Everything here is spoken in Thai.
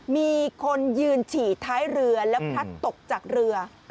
มีคนยืนฉี่ท้ายเรือแล้วพลัดตกจากเรือ